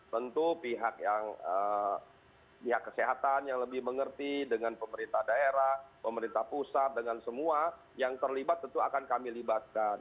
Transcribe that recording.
tentu pihak yang pihak kesehatan yang lebih mengerti dengan pemerintah daerah pemerintah pusat dengan semua yang terlibat tentu akan kami libatkan